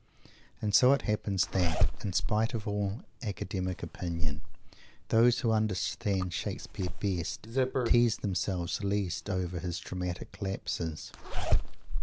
And so it happens that, in spite of all academic opinion, those who understand Shakespeare best tease themselves least over his dramatic lapses.